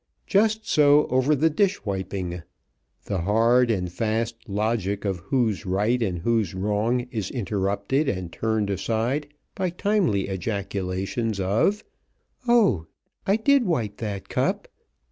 Just so over the dish wiping; the hard and fast logic of who's right and who's wrong is interrupted and turned aside by timely ejaculations of: "Oh, I did wipe that cup!"